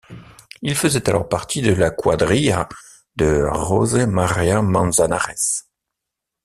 Il faisait alors partie de la cuadrilla de José María Manzanares.